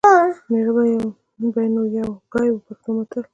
د مېړه به نو یو ګای و . پښتو متل